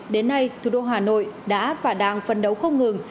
đến nay thủ đô hà nội đã và đang phân đấu không ngừng